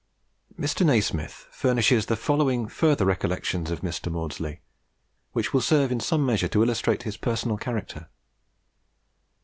Mr. Nasmyth furnishes the following further recollections of Mr. Maudslay, which will serve in some measure to illustrate his personal character.